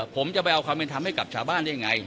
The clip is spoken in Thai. ผมจะไปเอาความเป็นธรรมให้กับชาวบ้านได้ยังไง